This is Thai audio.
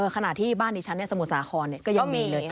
ขณะที่บ้านนี้ชั้นสมุสาครก็ยังมีเลย